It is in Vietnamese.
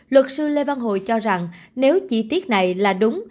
luật sư lê văn hội cho rằng nếu chi tiết này là đúng